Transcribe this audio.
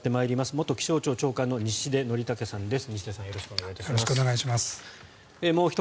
元気象庁長官の西出則武さんです。